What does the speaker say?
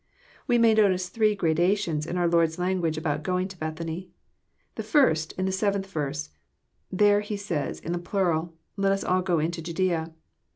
We may notice three gradations in our Lord's language about going to Bethany. The first, in the 7th verse : there He says in the plural, " Let us all go into Judsea.